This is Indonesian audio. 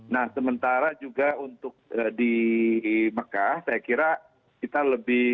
nah sementara juga untuk di mekah saya kira kita lebih